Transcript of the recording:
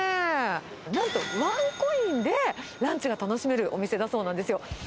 なんとワンコインでランチが楽しめるお店だそうなんですよ。